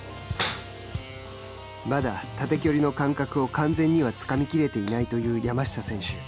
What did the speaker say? まだ、縦距離の感覚を完全にはつかみ切れていないという山下選手。